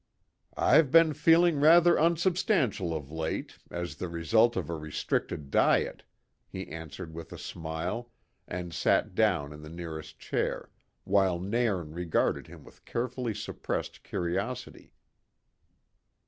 "I've been feeling rather unsubstantial of late, as the result of a restricted diet," he answered with a smile, and sat down in the nearest chair, while Nairn regarded him with carefully suppressed curiosity.